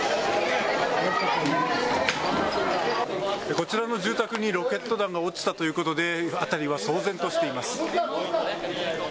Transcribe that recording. こちらの住宅にロケット弾が落ちたということで、辺りは騒然としています。